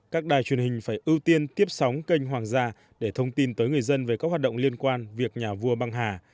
các đài truyền hình phải ưu tiên tiếp sóng kênh hoàng gia để thông tin tới người dân về các hoạt động liên quan việc nhà vua băng hà